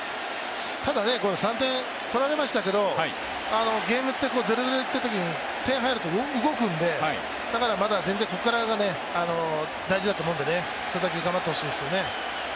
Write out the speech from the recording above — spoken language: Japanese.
ただ３点とられましたけどゲームって０−０でいってるとき点入ると動くんで、だからまだ全然ここらが大事だと思うんでそれだけ頑張ってほしいですよね。